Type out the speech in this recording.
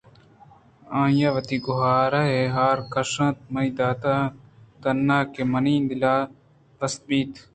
آئیءَ وتی گوٛرے ہار کش اِت ءُ من ءَ دات اِنت تاں کہ منی دل تسلا بہ بیت